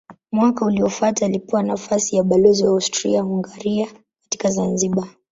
Mwaka uliofuata alipewa nafasi ya balozi wa Austria-Hungaria katika Zanzibar.